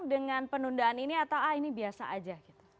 dengan penundaan ini atau ini biasa aja